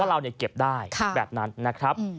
ว่าเราเนี่ยเก็บได้แบบนั้นนะครับ